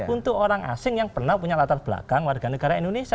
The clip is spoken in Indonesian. untuk orang asing yang pernah punya latar belakang warga negara indonesia